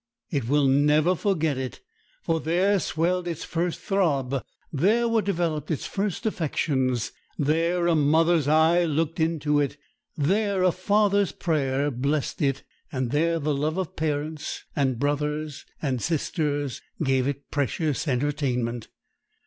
It will never forget it; for there swelled its first throb, there were developed its first affections. There a mother's eye looked into it, there a father's prayer blessed it, there the love of parents and brothers and sisters gave it precious entertainment.